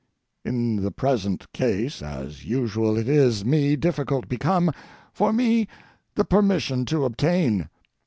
In the present case, as usual it is me difficult become, for me the permission to obtain.